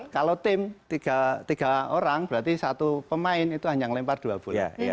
kalau tim tiga orang berarti satu pemain itu hanya melempar dua bola